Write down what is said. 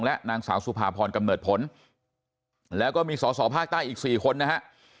และนางสาวสุภาพรกำเนิดผลแล้วก็มีสอสอภาคใต้อีก๔คนนะฮะ